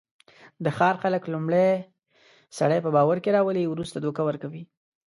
د ښار خلک لومړی سړی په باورکې راولي، ورسته دوکه ورکوي.